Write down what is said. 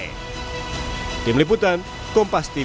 sehingga total ada tiga puluh tiga pengajuan amicus curiae